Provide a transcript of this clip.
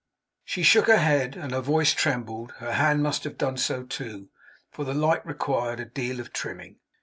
She shook her head, and her voice trembled; her hand must have done so too, for the light required a deal of trimming.